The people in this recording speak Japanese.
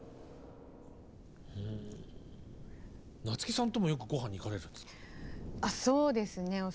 夏木さんともよくごはんに行かれるそうですね。